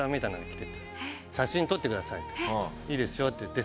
「いいですよ」って言って。